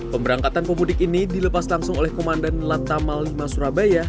pemberangkatan pemudik ini dilepas langsung oleh komandan latamal lima surabaya